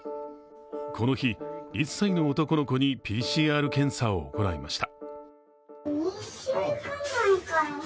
この日、１歳の男の子にＰＣＲ検査を行いました。